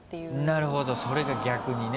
なるほどそれが逆にね